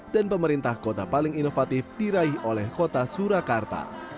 dan pemerintah kota paling inovatif diraih oleh kota surakarta